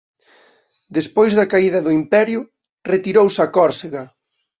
Despois da caída do imperio retirouse a Córsega.